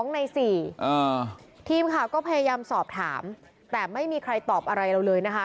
ใน๔ทีมข่าวก็พยายามสอบถามแต่ไม่มีใครตอบอะไรเราเลยนะคะ